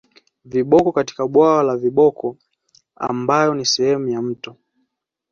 Viboko katika bwawa la viboko ambayo ni sehemu ya mto